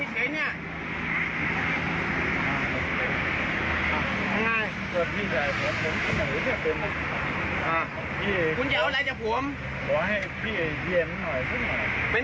ฟังผมสักหน่อยนะครับ